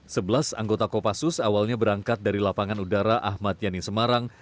sebelas anggota kopassus awalnya berangkat dari lapangan udara ahmad yani semarang